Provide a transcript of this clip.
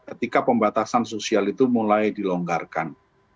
ketika pembatasan sosial itu mulai dilonggarkan